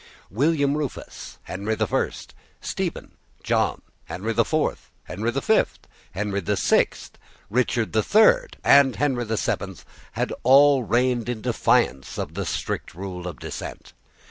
William Rufus, Henry the First, Stephen, John, Henry the Fourth, Henry the Fifth, Henry the Sixth, Richard the Third, and Henry the Seventh, had all reigned in defiance of the strict rule of descent.